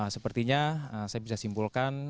sepertinya saya bisa simpulkan